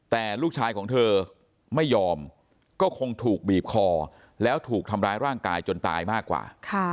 แต่ลูกชายของเธอไม่ยอมก็คงถูกบีบคอแล้วถูกทำร้ายร่างกายจนตายมากกว่า